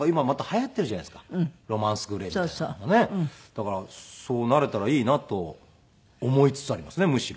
だからそうなれたらいいなと思いつつありますねむしろ。